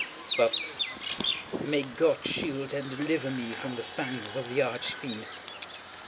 But may God shield and deliver me from the fangs of the Arch Fiend!